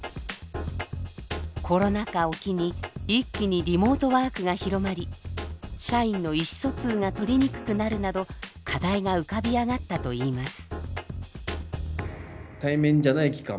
コロナ禍を機に一気にリモートワークが広まり社員の意思疎通がとりにくくなるなど課題が浮かび上がったといいます。